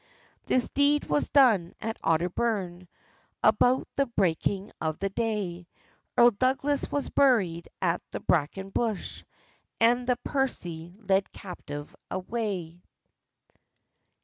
This deed was done at Otterbourne, About the breaking of the day; Earl Douglas was buried at the braken bush, And the Percy led captive away.